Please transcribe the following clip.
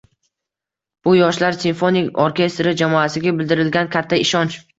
Bu - Yoshlar simfonik orkestri jamoasiga bildirilgan katta ishonch...